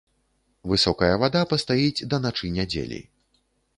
Высокая вада пастаіць да начы нядзелі.